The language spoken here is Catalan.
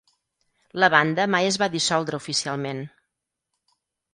La banda mai es va dissoldre oficialment.